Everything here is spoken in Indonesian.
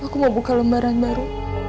aku mau buka lembaran baru